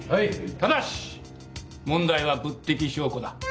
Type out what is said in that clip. ただし問題は物的証拠だ。